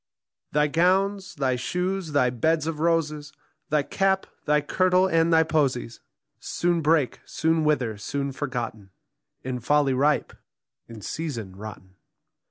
Thy gowns, thy shoes, thy beds of roses, Thy cap, thy kirtle, and thy posies Soon break, soon wither, soon forgotten, In folly ripe, in reason rotten.